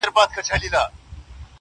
نو ژوند وي دغسي مفت يې در واخله خدایه,